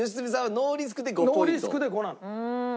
ノーリスクで５なの。